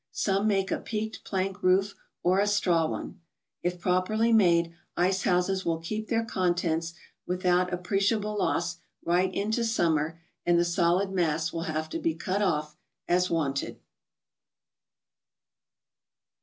Some make a peaked plank roof, or a straw one. If properly made, ice houses will keep their contents, without appreciable loss, right into Summer, and the solid mass will have to be cut off, as wanted.